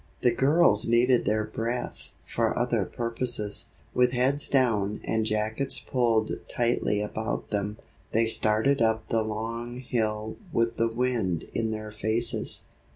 The girls needed their breath for other purposes. With heads down and jackets pulled tightly about them, they started up the long hill with the wind in their faces.